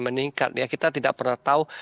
meningkat ya kita tidak pernah tahu